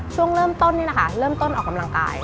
ช่วงเริ่มต้นนี่นะคะเริ่มต้นออกกำลังกาย